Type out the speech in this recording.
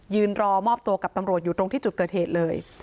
รอมอบตัวกับตำรวจอยู่ตรงที่จุดเกิดเหตุเลย